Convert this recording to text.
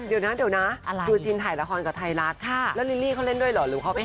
เดี๋ยวนะดูจินถ่ายละครกับไทรัศน์แล้วลิลลี่เขาเล่นด้วยเหรอหรือเขาไปหา